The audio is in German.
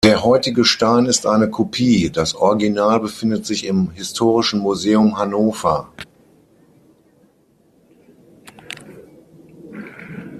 Der heutige Stein ist eine Kopie, das Original befindet sich im Historischen Museum Hannover.